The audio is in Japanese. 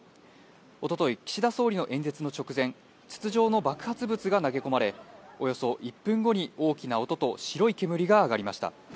おととい、岸田総理の演説の直前、筒状の爆発物が投げ込まれ、およそ１分後に大きな音と白い煙が上がりました。